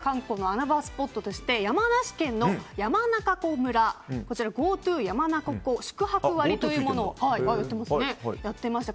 まずは関東の穴場スポットとして山梨県山中湖村こちらＧｏＴｏ山中湖宿泊割りというのをやっていますね。